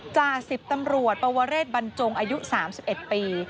จ่า๑๐ตำรวจปวเรศบรรจงอายุ๓๑ปี